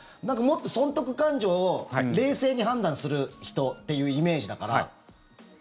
なんかもっと損得勘定を冷静に判断する人っていうイメージだから。